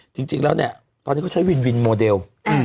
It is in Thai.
จริงแล้วเนี่ยตอนนี้เขาใช้วินวินโมเดล